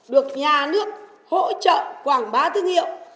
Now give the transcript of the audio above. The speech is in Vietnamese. được nhà nước hỗ trợ quảng bá thương hiệu